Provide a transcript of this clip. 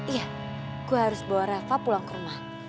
iya gue harus bawa rafa pulang ke rumah